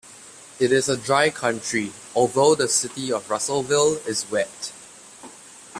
It is a dry county, although the city of Russellville is wet.